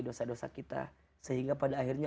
dosa dosa kita sehingga pada akhirnya